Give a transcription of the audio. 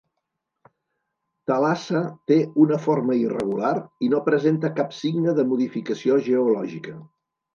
Thalassa té una forma irregular i no presenta cap signe de modificació geològica.